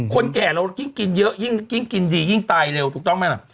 คนแก่เรายิ่งกินเยอะยิ่งกินดียิ่งตายเร็วถูกต้องไหมล่ะ